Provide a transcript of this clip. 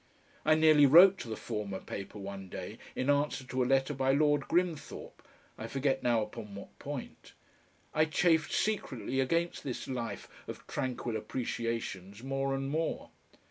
I nearly wrote to the former paper one day in answer to a letter by Lord Grimthorpe I forget now upon what point. I chafed secretly against this life of tranquil appreciations more and more.